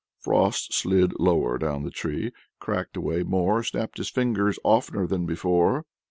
Frost slid lower down the tree, cracked away more, snapped his fingers oftener than before.